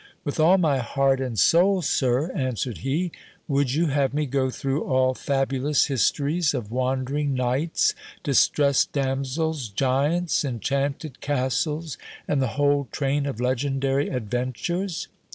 With all my heart and soul, sir, answered he. Would you have me go through all fabulous histories of wandering knights, distressed damsels, giants, enchanted castles, and the whole train of legendary adventures?